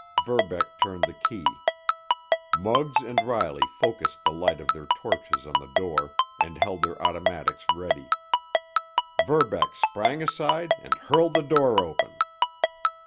Verbeck turned the key. Muggs and Riley focused the light of their torches on the door, and held their automatics ready. Verbeck sprang aside and hurled the door open.